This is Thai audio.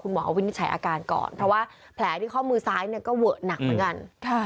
คุณหมอวินใช้อาการก่อนเพราะว่าแผลที่ข้อมือซ้ายเนี่ยก็เวิร์ดหนักเหมือนกัน